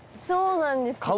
そうなんです。